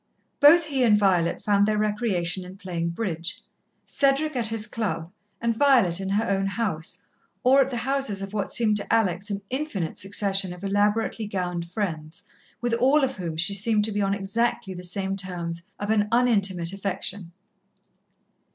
Both he and Violet found their recreation in playing bridge, Cedric at his club and Violet in her own house, or at the houses of what seemed to Alex an infinite succession of elaborately gowned friends, with all of whom she seemed to be on exactly the same terms of an unintimate affection.